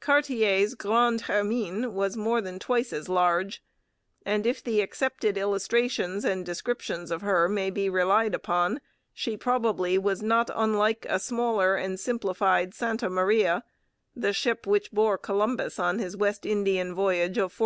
Cartier's Grande Hermine was more than twice as large, and, if the accepted illustrations and descriptions of her may be relied upon, she probably was not unlike a smaller and simplified Santa Maria, the ship which bore Columbus on his West Indian voyage of 1492.